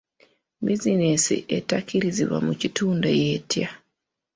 Bizinensi etakkirizibwa mu kitundu y'etya?